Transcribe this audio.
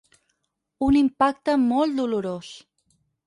Un impacte molt dolorós.